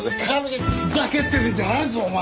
ふざけてるんじゃないぞお前！